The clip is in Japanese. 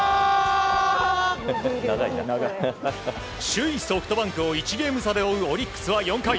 首位ソフトバンクを１ゲーム差で追うオリックスは４回。